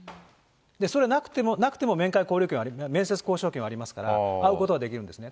それはなくても、面接交渉権はありますから、会うことはできるんですね。